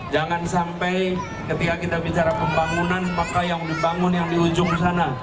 jangan sampai ketika kita bicara pembangunan maka yang dibangun yang di ujung sana